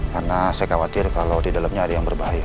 karena saya khawatir kalau di dalamnya ada yang berbahaya